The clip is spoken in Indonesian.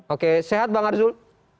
oke sehat bang arzul